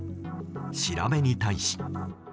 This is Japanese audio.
調べに対し。